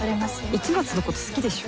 市松のこと好きでしょ。